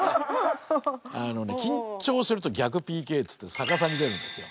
あのね緊張すると逆ＰＫっつって逆さに出るんですよ。